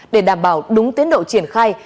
để đảm bảo đúng tiến độ triển khai